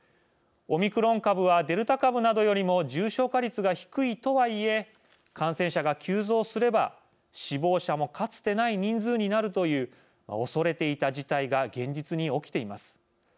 オミクロン株はデルタ株などよりも重症化率が低いとはいえ感染者が急増すれば、死亡者もかつてない人数になるというおそれていた事態が現実に起きています。